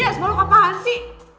yes lo ke apaan sih